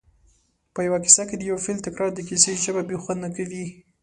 په یوه کیسه کې د یو فعل تکرار د کیسې ژبه بې خونده کوي